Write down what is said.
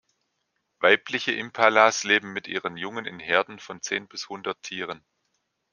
Weibliche Impalas leben mit ihren Jungen in Herden von zehn bis hundert Tieren.